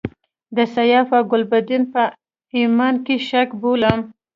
د سیاف او ګلبدین په ایمان کې شک بولم.